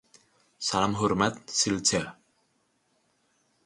Salam hormat, Silja.